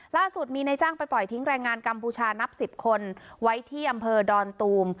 ล่าสุดมีในจ้างไปปล่อยทิ้งแรงงานกัมพูชานับ๑๐คนไว้ที่อำเภอดอนตูม